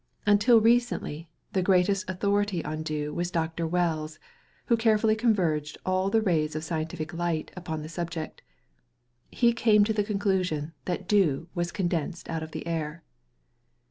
Until recently the greatest authority on dew was Dr. Wells, who carefully converged all the rays of scientific light upon the subject. He came to the conclusion that dew was condensed out of the air.